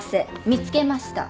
見つけました。